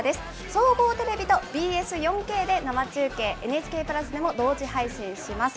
総合テレビとＢＳ４Ｋで生中継、ＮＨＫプラスでも同時配信します。